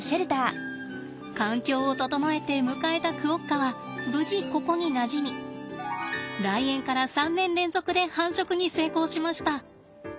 環境を整えて迎えたクオッカは無事ここになじみ来園から３年連続で繁殖に成功しました！